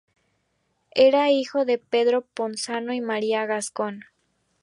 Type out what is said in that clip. Era hijo de Pedro Ponzano y María Gascón.